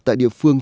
tại địa phương